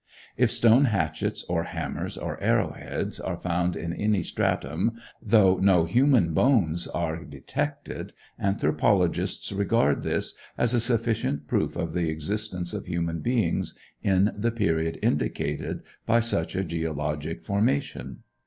If stone hatchets or hammers or arrowheads are found in any stratum, though no human bones are detected, anthropologists regard this as a sufficient proof of the existence of human beings in the period indicated by such a geologic formation.